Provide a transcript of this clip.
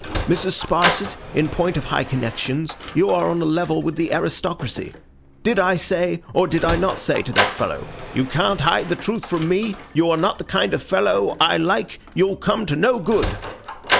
Mrs. Sparsit, in point of high connexions, you are on a level with the aristocracy,—did I say, or did I not say, to that fellow, "you can't hide the truth from me: you are not the kind of fellow I like; you'll come to no good"?